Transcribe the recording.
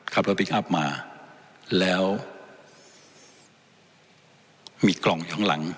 ขับรถพลิกอัพมาแล้วมีกล่องอยู่ข้างหลัง